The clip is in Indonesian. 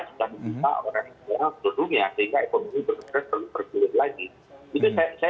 sehingga orang orang di dunia sehingga ekonomi berkembang selalu berkembang lagi